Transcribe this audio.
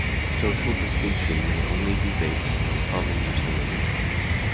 Social distinctions may only be based on common utility.